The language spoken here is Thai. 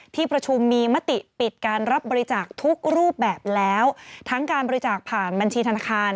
ที่ประชุมมีมติปิดการรับบริจาคทุกรูปแบบแล้วทั้งการบริจาคผ่านบัญชีธนาคาร